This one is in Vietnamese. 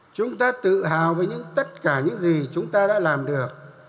chúng ta tự hào với tất cả những gì chúng ta đã làm được